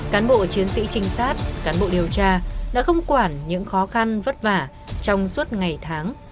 cán bộ chiến sĩ trinh sát cán bộ điều tra đã không quản những khó khăn vất vả trong suốt ngày tháng